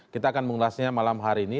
kita akan mengulasnya malam hari ini